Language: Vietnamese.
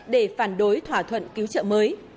để phản đối thỏa thuận cứu trợ mới